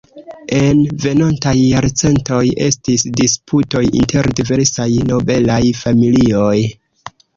En venontaj jarcentoj estis disputoj inter diversaj nobelaj familioj.